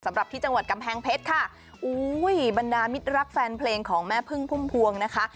สำหรับที่จังหวัดกำแพงเพชรค่ะอุ้ยบรรดามิตรรักแฟนเพลงของแม่พึ่งพุ่มพวงนะคะ